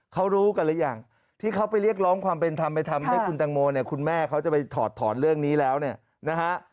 เขารู้กันหรือยังที่เขาไปเรียกร้องความเป็นธรรมไปทำให้คุณตังโมเนี่ยคุณแม่เขาจะไปถอดถอนเรื่องนี้แล้วเนี่ยนะฮะ